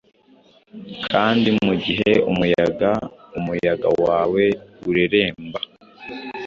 Kandi, mugihe umuyaga umuyaga wawe ureremba,